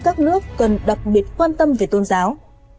các nước cần đặc biệt quan tâm về tôn giáo